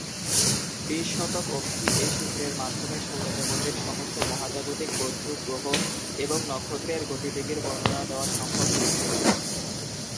বিশ শতক অবধি এই সূত্রের মাধ্যমে সৌরজগতের সমস্ত মহাজাগতিক বস্তু, গ্রহ এবং নক্ষত্রের গতিবেগের বর্ণনা দেওয়া সম্ভব হয়েছিল।